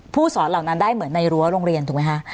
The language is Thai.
ผู้สอนเหล่านั้นได้เหมือนในรั้วโรงเรียนถูกไหมคะ